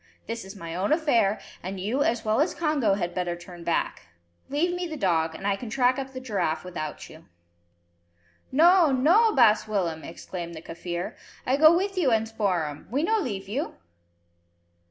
This is my own affair, and you as well as Congo had better turn back. Leave me the dog, and I can track up the giraffe without you." "No! no!! baas Willem," exclaimed the Kaffir. "I go with you and Spoor'em. We no leave you."